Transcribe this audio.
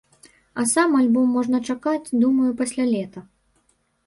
А сам альбом можна чакаць, думаю, пасля лета.